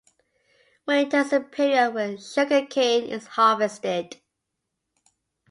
Winter is the period when sugar cane is harvested.